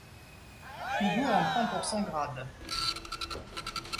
Hugo en prend pour son grade.